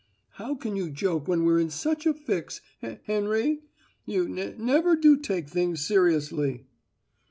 "How can you joke when we're in such a fix? He Henry, you ne never do take things seriously!"